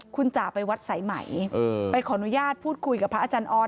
คุณจ๋าไปวัดสายไหมไปขออนุญาตพูดคุยกับพระอาจารย์ออส